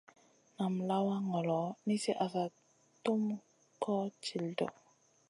Nam lawa ŋolo nizi asa tum koh til ɗoʼ.